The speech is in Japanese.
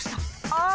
ああ！